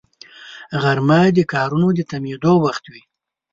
غرمه د کارونو د تمېدو وخت وي